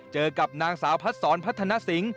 เจอกับนางสาวพัดสอนพัฒนสิง